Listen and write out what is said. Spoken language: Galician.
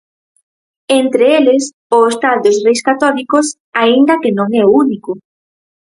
Entre eles, o Hostal dos Reis Católicos, aínda que non é o único.